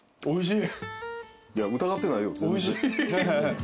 おいしい。